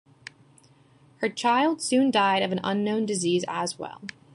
Her child soon died of an unknown disease as well.